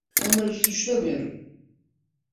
Onları suçlamıyorum.